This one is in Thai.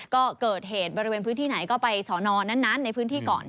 ก็เกิดเหตุบริเวณพื้นที่ไหนก็ไปสอนอนั้นในพื้นที่ก่อน